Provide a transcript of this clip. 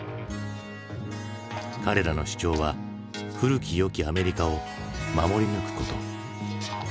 彼らの主張は古き良きアメリカを守り抜くこと。